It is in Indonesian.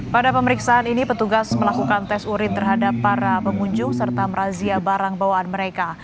pada pemeriksaan ini petugas melakukan tes urin terhadap para pengunjung serta merazia barang bawaan mereka